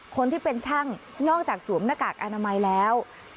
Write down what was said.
คนที่เป็นช่างนอกจากสวมหน้ากากอนามัยแล้ว